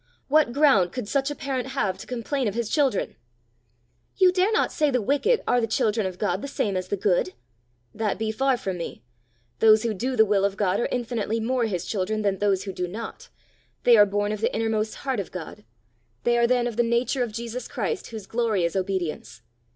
What ground could such a parent have to complain of his children?" "You dare not say the wicked are the children of God the same as the good." "That be far from me! Those who do the will of God are infinitely more his children than those who do not; they are born of the innermost heart of God; they are then of the nature of Jesus Christ, whose glory is obedience.